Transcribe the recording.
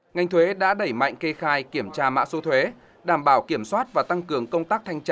ngành thuế đã đẩy mạnh kê khai kiểm tra mã số thuế đảm bảo kiểm soát và tăng cường công tác thanh tra